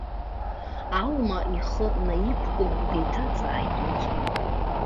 Алма ихы наиқәкны деиҭаҵааит уи.